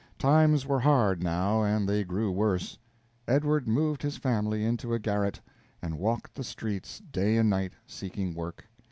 Times were hard, now, and they grew worse. Edward moved his family into a garret, and walked the streets day and night, seeking work.